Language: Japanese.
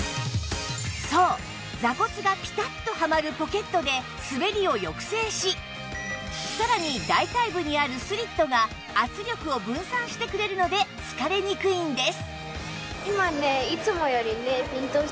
そう座骨がぴたっとはまるポケットで滑りを抑制しさらに大腿部にあるスリットが圧力を分散してくれるので疲れにくいんです